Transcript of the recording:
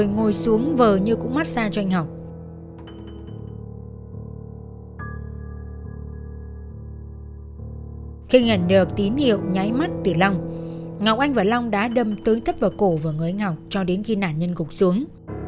ngọc anh và long đã đâm tướng thấp vào cổ và ngới ngọc cho đến khi nạn nhân cục xuống